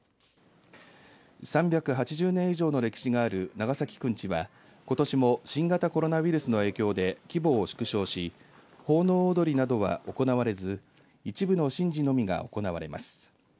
３８０年以上の歴史がある長崎くんちはことしも新型コロナウイルスの影響で規模を縮小し奉納踊りなどは行われず一部の神事のみが行われます。